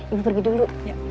ibu pergi dulu